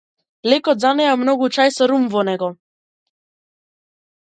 Лекот за неа е многу чај со рум во него.